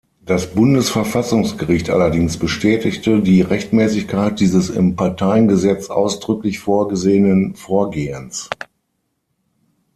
Das Bundesverfassungsgericht allerdings bestätigte die Rechtmäßigkeit dieses im Parteiengesetz ausdrücklich vorgesehenen Vorgehens.